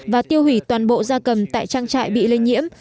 và tiêu hủy toàn bộ da cầm tại trang trại bị lây nhiễm